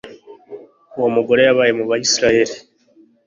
uwo mugore yabaye mu bayisraheli